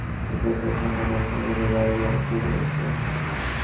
সম্প্রদায়ের সংখ্যাও সর্বদা বাড়িয়াই চলিয়াছে।